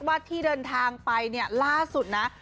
ว่าที่เดินทางไปเนี่ยล่าสุดนะ